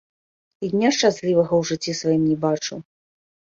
І дня шчаслівага ў жыцці сваім не бачыў.